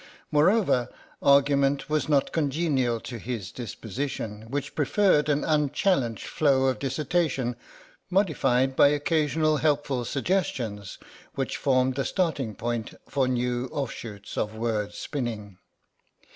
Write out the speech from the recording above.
Moreover, argument was not congenial to his disposition, which preferred an unchallenged flow of dissertation modified by occasional helpful questions which formed the starting point for new offshoots of word spinning.